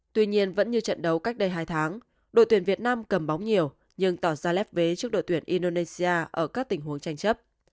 tuy nhiên vẫn như trận đấu cách đây hai tháng đội tuyển việt nam cầm bóng nhiều nhưng tỏ ra lép vế trước đội tuyển indonesia ở các tình huống tranh chấp